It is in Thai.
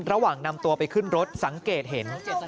ระหว่างนำตัวไปขึ้นรถสังเกตเห็น